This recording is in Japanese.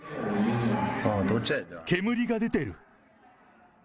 煙が出てる。